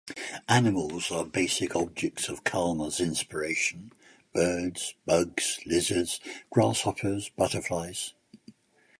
Animals are basic objects of Kalmar's inspiration: birds, bugs, lizards, grasshoppers, butterflies.